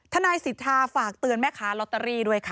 นายสิทธาฝากเตือนแม่ค้าลอตเตอรี่ด้วยค่ะ